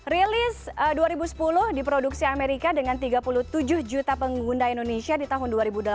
rilis dua ribu sepuluh di produksi amerika dengan tiga puluh tujuh juta pengguna indonesia di tahun dua ribu delapan belas